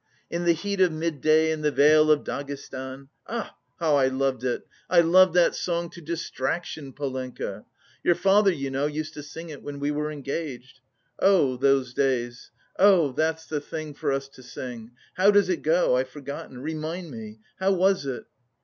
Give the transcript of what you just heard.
"In the heat of midday in the vale of Dagestan. "Ah, how I loved it! I loved that song to distraction, Polenka! Your father, you know, used to sing it when we were engaged.... Oh those days! Oh that's the thing for us to sing! How does it go? I've forgotten. Remind me! How was it?"